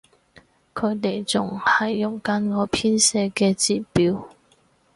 佢哋仲係用緊我編寫嘅字表